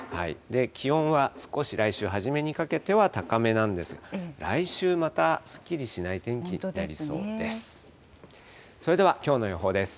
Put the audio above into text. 気温は少し来週初めにかけては高めなんですが、来週、またすっきりしない天気になりそうです。